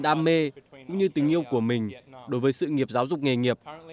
là đại sứ nghề tôi được thể hiện đam mê cũng như tình yêu của mình đối với sự nghiệp giáo dục nghề nghiệp